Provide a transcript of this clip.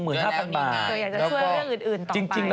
อยากจะช่วยเรื่องอื่นต่อจริง